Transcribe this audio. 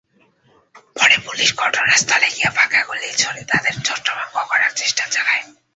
পরে পুলিশ ঘটনাস্থলে গিয়ে ফাঁকা গুলি ছুড়ে তাদের ছত্রভঙ্গ করার চেষ্টা চালায়।